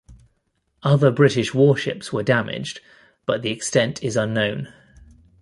Other British warships were damaged but the extent is unknown.